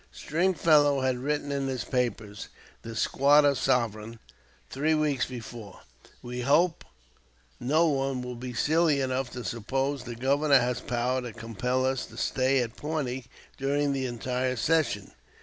Stringfellow had written in his paper, the "Squatter Sovereign," three weeks before: "We hope no one will be silly enough to suppose the Governor has power to compel us to stay at Pawnee during the entire session.